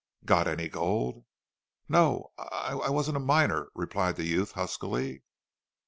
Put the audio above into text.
"Got any gold?" "No. I I wasn't a miner," replied the youth huskily.